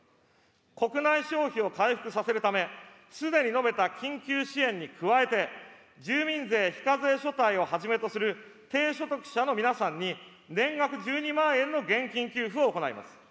国内消費を回復させるため、すでに述べた緊急支援に加えて、住民税非課税世帯をはじめとする低所得者の皆さんに、年額１２万円の現金給付を行います。